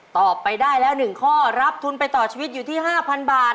ตอบไปได้แล้ว๑ข้อรับทุนไปต่อชีวิตอยู่ที่๕๐๐บาท